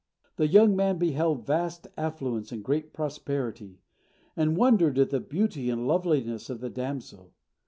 The young man beheld vast affluence and great prosperity, and wondered at the beauty and loveliness of the damsel.